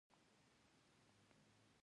غول د سګرټ اغېز څرګندوي.